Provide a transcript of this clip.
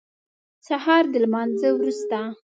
سهار د لمانځه وروسته.